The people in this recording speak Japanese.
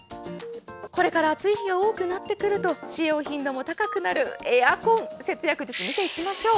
これから暑い日が多くなってくると使用頻度も高くなるエアコンの節約術見ていきましょう。